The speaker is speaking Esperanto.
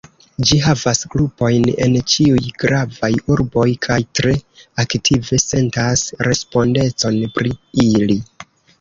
Ĝi havas grupojn en ĉiuj gravaj urboj, kaj tre aktive sentas respondecon pri ili.